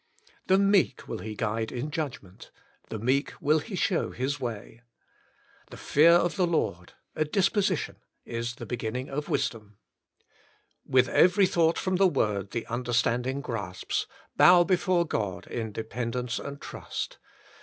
^^ The meek will He guide in judgment ; the meek will He shew his way." " The fear of the Lord," — a disposition — "is the beginning of wisdom." ■ With every thought from the Word the under standing grasps, bow before God in dependence and trust.